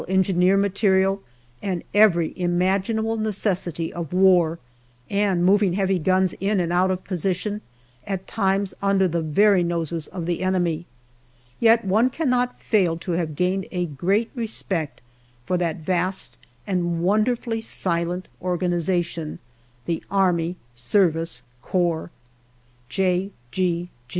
E. material, and every imaginable necessity of war, and moving heavy guns in and out of position, at times under the very noses of the enemy, yet one cannot fail to have gained a great respect for that vast and won derfully silent organization, the Army Service Corps. J.